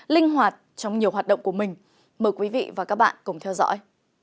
linh hoạt trong nhiều hoạt động của mình mời quý vị và các bạn cùng theo dõi